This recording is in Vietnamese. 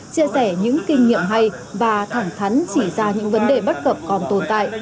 chia sẻ những kinh nghiệm hay và thẳng thắn chỉ ra những vấn đề bất cập còn tồn tại